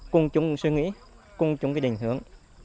cùng chung suy nghĩ cùng chung định hưởng